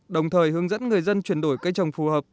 đồng thời hướng dẫn người dân chuyển đổi cây trồng phù hợp